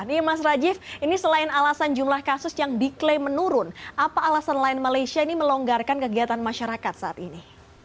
ini mas rajif ini selain alasan jumlah kasus yang diklaim menurun apa alasan lain malaysia ini melonggarkan kegiatan masyarakat saat ini